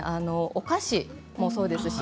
お菓子もそうですね